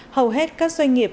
hầu hết các doanh nghiệp